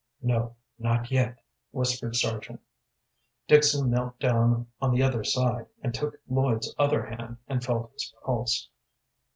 "No, not yet," whispered Sargent. Dixon knelt down on the other side, and took Lloyd's other hand and felt his pulse.